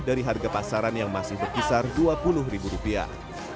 dari harga pasaran yang masih berkisar dua puluh ribu rupiah